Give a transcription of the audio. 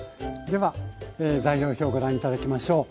では材料表ご覧頂きましょう。